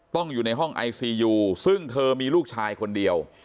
ต้องอยู่ในห้องไอซียูซึ่งเธอมีลูกชายคนเดียว